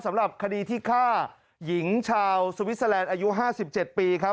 สำหรับคดีที่ฆ่าหญิงชาวสวิสเตอร์แลนด์อายุ๕๗ปีครับ